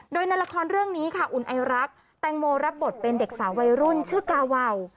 โดยในละครเรื่องนี้ค่ะอุ่นไอรักแตงโมรับบทเป็นเด็กสาววัยรุ่นชื่อกาวาว